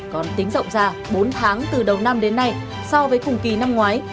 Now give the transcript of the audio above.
còn tính rộng ra bốn tháng từ đầu năm đến nay so với cùng kỳ năm ngoái